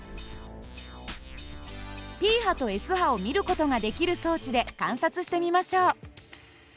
Ｐ波とＳ波を見る事ができる装置で観察してみましょう。